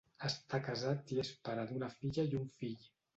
Està casat i és pare d'una filla i un fill.